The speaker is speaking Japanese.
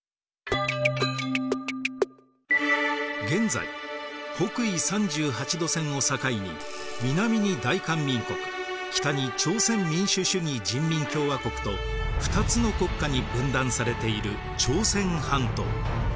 現在北緯３８度線を境に南に大韓民国北に朝鮮民主主義人民共和国と２つの国家に分断されている朝鮮半島。